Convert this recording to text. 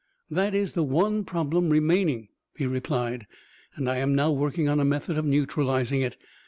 "That is the one problem remaining," he replied; "and I am now working on a method of neutralizing it.